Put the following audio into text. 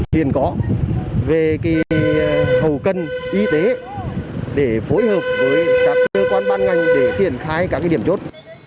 truyền có về cái hầu cân y tế để phối hợp với các cơ quan ban ngành để tiển khai các cái điểm chốt